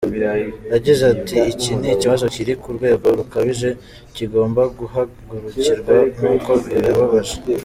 Yagize ati “Iki ni ikibazo kiri ku rwego rukabije kigomba guhagurukirwa kuko birababaje.